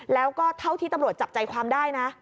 แล้วก็เท่าที่ตำรวจจับใจความได้นะ